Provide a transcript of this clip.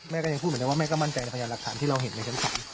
แม่ก็ยังพูดเหมือนกันว่าแม่ก็มั่นใจในพยายามหลักฐานที่เราเห็นในสถาน